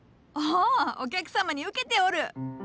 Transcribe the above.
おおお客様にうけておる！